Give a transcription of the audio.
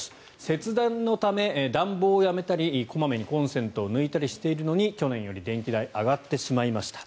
節電のため暖房をやめたり小まめにコンセントを抜いたりしているのに去年より電気代が上がってしまいました。